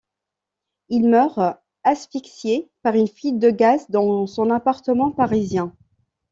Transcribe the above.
Il meurt asphyxié par une fuite de gaz dans son appartement parisien.